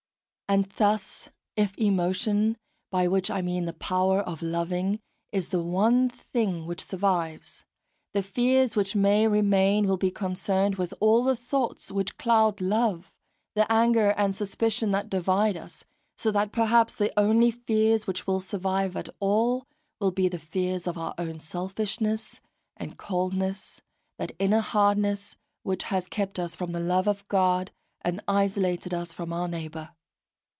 And thus if emotion, by which I mean the power of loving, is the one thing which survives, the fears which may remain will be concerned with all the thoughts which cloud love, the anger and suspicion that divide us; so that perhaps the only fears which will survive at all will be the fears of our own selfishness and coldness, that inner hardness which has kept us from the love of God and isolated us from our neighbour.